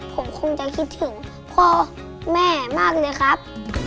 ผมคงจะคิดถึงพ่อแม่มากเลยครับ